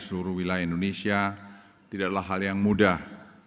seluruh wilayah indonesia tidaklah hal yang mudah